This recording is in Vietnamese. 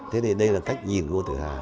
thế đây là cách nhìn vô tự hà